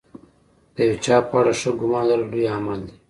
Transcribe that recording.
د یو چا په اړه ښه ګمان لرل لوی عمل دی.